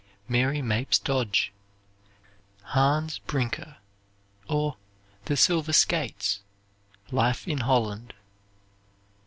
Mary Mapes Dodge, "Hans Brinker," or "The Silver Skates," "Life in Holland."